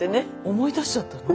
思い出しちゃったの？